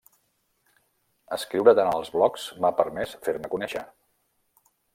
Escriure tant als blogs m'ha permès fer-me conèixer.